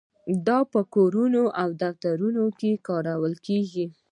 دا په کورونو او دفترونو کې کارول کیږي.